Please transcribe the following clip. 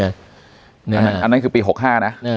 อันนั้นคือปี๖๕นะ